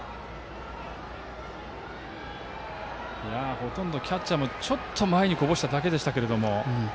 ほとんどキャッチャーもちょっと前にこぼしただけでしたけれども。